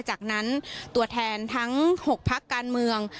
จากนั้นตัวแทนทั้ง๖พักการเมือง